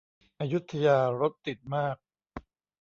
อยุธยารถติดมาก